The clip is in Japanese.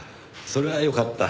それはよかった。